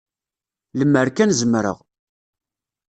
Lemmer kan zemreɣ...